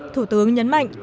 thủ tướng nhấn mạnh